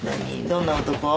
どんな男？